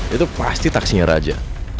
itu pasti taksinya raja